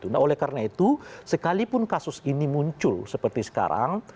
nah oleh karena itu sekalipun kasus ini muncul seperti sekarang